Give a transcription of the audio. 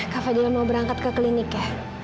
kak fadiyah mau berangkat ke klinik ya